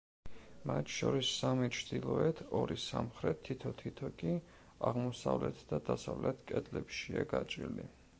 მათ შორის სამი ჩრდილოეთ, ორი სამხრეთ, თითო-თითო კი აღმოსავლეთ და დასავლეთ კედლებშია გაჭრილი.